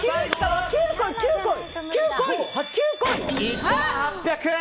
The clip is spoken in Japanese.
１万８００円。